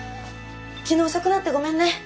昨日遅くなってごめんね。